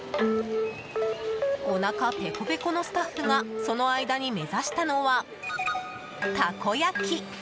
おなかペコペコのスタッフがその間に目指したのは、たこ焼き。